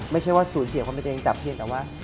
ไม่ใช่ว่าศูนย์เสียความเป็นเรื่องจับเพียงแต่ว่า